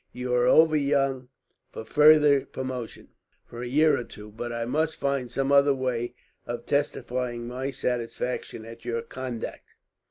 You are over young for further promotion, for a year or two; but I must find some other way of testifying my satisfaction at your conduct."